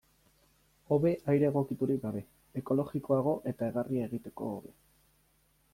Hobe aire egokiturik gabe, ekologikoago eta egarria egiteko hobe.